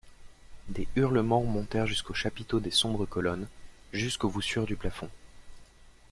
Des hurlements montèrent jusqu'aux chapiteaux des sombres colonnes, jusqu'aux voussures du plafond.